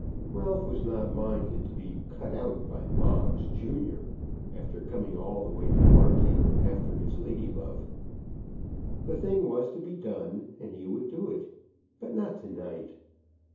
Ralph was not minded to be cut out by Moggs, junior, after coming all the way to Margate after his lady love. The thing was to be done, and he would do it. But not to night.